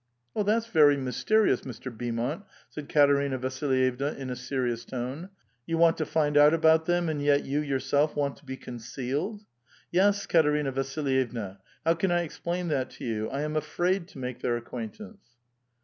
*' That's very mysterious, Mr. Beanmont," said Katerina Vasflvevna in a serious tone. ^^ You want to find out about them, and yet you yourself want to be concealed." ^^ Yes, Katerina Vasilyeypa ; how can I explain that to yon ? I am afraid to make their acquaintance."